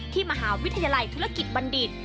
มหาวิทยาลัยธุรกิจบัณฑิต